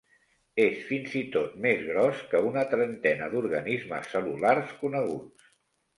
És fins i tot més gros que una trentena d'organismes cel·lulars coneguts.